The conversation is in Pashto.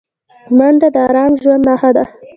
منډه د ارام ژوند نښه ده